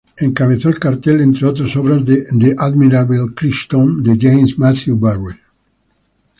Encabezó el cartel, entre otras obras, de "The Admirable Crichton", de James Matthew Barrie.